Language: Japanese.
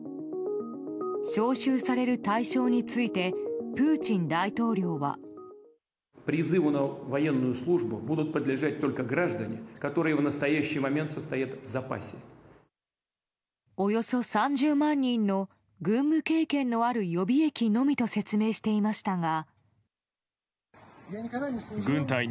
招集される対象についてプーチン大統領は。およそ３０万人の軍務経験のある予備役のみと説明していましたが。